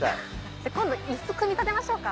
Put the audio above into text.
じゃあ今度椅子組み立てましょうか？